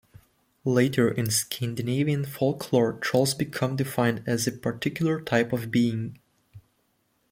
Later in Scandinavian folklore, trolls become defined as a particular type of being.